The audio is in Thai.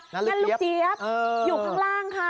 นั่นลูกเจี๊ยบอยู่ข้างล่างค่ะ